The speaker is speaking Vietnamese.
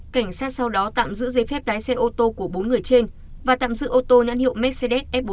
cảnh sát sau đó tạm giữ giấy phép đái xe ô tô của bốn người trên và tạm giữ ô tô nhãn hiệu mercedes f bốn trăm linh